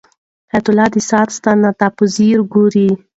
حیات الله د ساعت ستنو ته په ځیر ګوري.